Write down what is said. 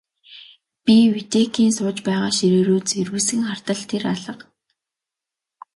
Би Витекийн сууж байгаа ширээ рүү зэрвэсхэн хартал тэр алга.